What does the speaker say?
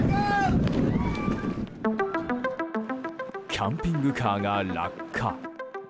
キャンピングカーが落下。